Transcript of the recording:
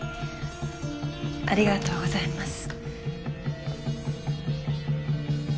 ありがとうございます。